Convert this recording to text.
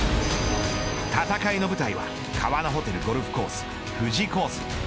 戦いの舞台は川奈ホテルゴルフコース富士コース。